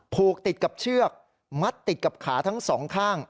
ผูกติดกับเชือกมัดติดกับขาทั้งสองข้าง